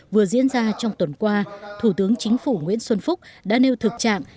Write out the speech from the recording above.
vừa diễn ra trong tuần qua thủ tướng chính phủ nguyễn xuân phúc đã nêu thực trạng